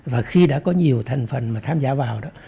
và khi đã có nhiều thành phần mà tham gia vào đó